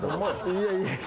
いやいや。